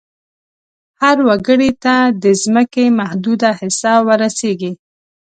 هر وګړي ته د ځمکې محدوده حصه ور رسیږي.